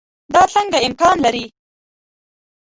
دا څنګه امکان لري.